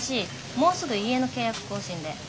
もうすぐ家の契約更新で。